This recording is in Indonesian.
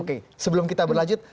oke sebelum kita berlanjut